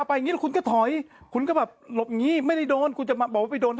พลิกต๊อกเต็มเสนอหมดเลยพลิกต๊อกเต็มเสนอหมดเลย